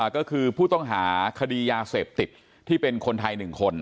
ก็คือผู้ต้องหาคดียาเสพติดที่เป็นคนไทย๑คน